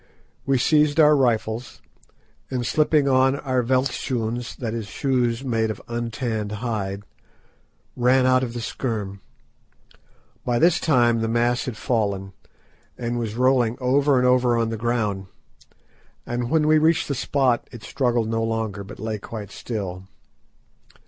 We seized our rifles, and slipping on our veldtschoons, that is shoes made of untanned hide, ran out of the scherm. By this time the mass had fallen, and was rolling over and over on the ground, and when we reached the spot it struggled no longer, but lay quite still.